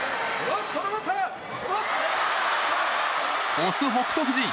押す北勝富士。